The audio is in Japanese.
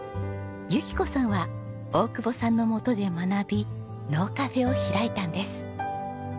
由紀子さんは大久保さんの元で学びのうカフェを開いたんです。